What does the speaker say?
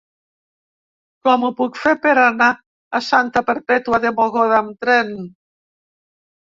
Com ho puc fer per anar a Santa Perpètua de Mogoda amb tren?